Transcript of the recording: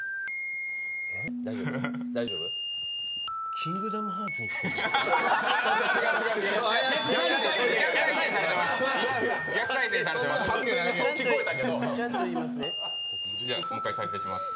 キングダムハーツに聞こえた。